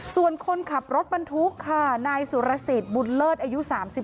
ส่วนคนขับรถบรรทุกค่ะนายสุรสิทธิ์บุญเลิศอายุ๓๒